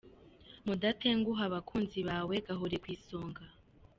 Mudatenguha abakunzi bawe gahore ku isonga.